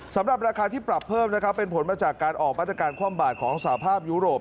สำหรับราคาที่ปรับเพิ่มนะครับเป็นผลมาจากการออกมาตรการความบาดของสภาพยุโรป